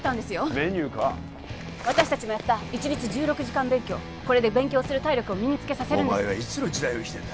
メニューか私達もやった１日１６時間勉強これで勉強する体力を身につけさせるんですお前はいつの時代を生きてんだ？